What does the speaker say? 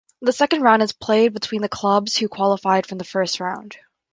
The second round is played between the clubs who qualified from the first round.